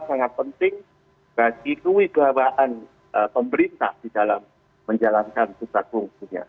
sangat penting bagi kewibawaan pemerintah di dalam menjalankan tugas fungsinya